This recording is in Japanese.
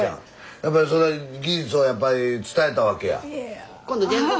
やっぱりそれ技術はやっぱり伝えたわけや。